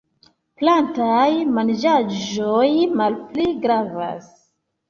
Plantaj manĝaĵoj malpli gravas.